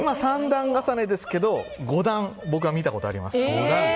３段重ねですけど５段、僕は見たことあります。